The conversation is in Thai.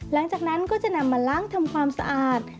หลังจากนั้นก็จะนำมาล้างทำความสะอาด